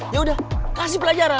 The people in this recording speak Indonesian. yaudah kasih pelajaran